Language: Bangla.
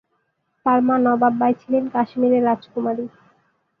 তার মা নবাব বাই ছিলেন কাশ্মিরের রাজকুমারী।